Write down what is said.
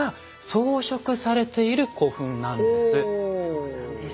そうなんです。